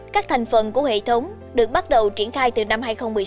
các thành phần của hệ thống được bắt đầu triển khai từ năm hai nghìn một mươi sáu